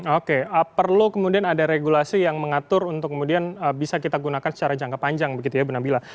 oke perlu kemudian ada regulasi yang mengatur untuk kemudian bisa kita gunakan secara jangka panjang begitu ya bu nabila